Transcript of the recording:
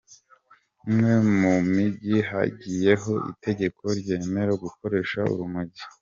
Umwe mumigi Hagiyeho itegeko ryemera gukoresha urumogi